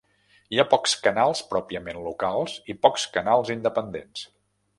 Hi ha pocs canals pròpiament locals i pocs canals independents.